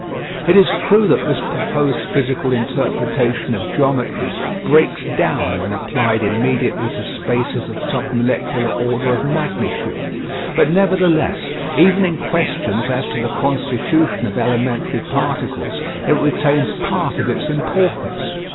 It is true that this proposed physical interpretation of geometry breaks down when applied immediately to spaces of sub molecular order of magnitude. But nevertheless, even in questions as to the constitution of elementary particles, it retains part of its importance.